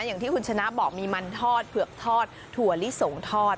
อย่างที่คุณชนะบอกมีมันทอดเผือกทอดถั่วลิสงทอด